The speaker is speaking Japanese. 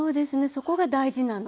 そこが大事なの。